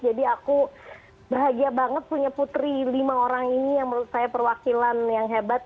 jadi aku bahagia banget punya putri lima orang ini yang menurut saya perwakilan yang hebat